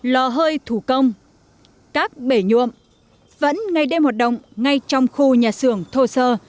lò hơi thủ công các bể nhuộm vẫn ngày đêm hoạt động ngay trong khu nhà xưởng thô sơ